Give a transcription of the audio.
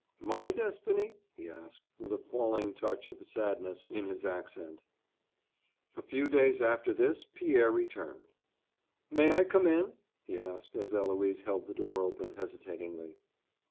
"My destiny?" he asked, with a falling touch of sadness in his accent. A few days after this Pierre returned. "May I come in?" he asked, as Eloise held the door open hesitatingly.